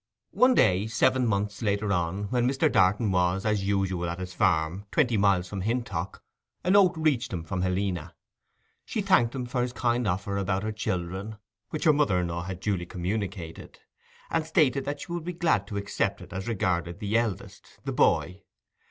One day, seven months later on, when Mr. Darton was as usual at his farm, twenty miles from Hintock, a note reached him from Helena. She thanked him for his kind offer about her children, which her mother in law had duly communicated, and stated that she would be glad to accept it as regarded the eldest, the boy.